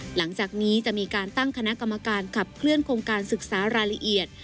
หลังจากนี้จะมีการตั้งคณะกรรมการขับเคลื่อนโครงการศึกษารายละเอียด